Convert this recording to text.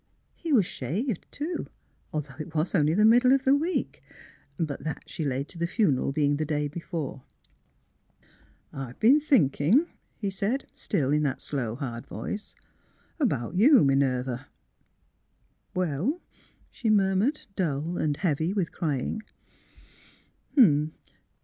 He was shaved, too, although it was only the middle of the week. But that she laid to the funeral being the day before. '* I've been thinkin'," he said, still in that slow, hard voice, *' about you, Minerva." '' Well? " she murmured, dull and heavy with crying.